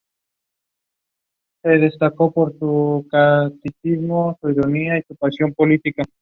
Juega sobre todo en la posición de alero y escolta.